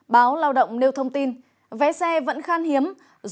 báo lao động nêu thông tin vé xe vẫn khan hiếm